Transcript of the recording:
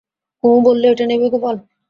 কুমু বললে, এটা নেবে গোপাল?